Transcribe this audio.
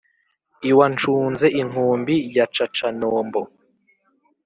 iwa ncuze-inkumbi ya caca-nombo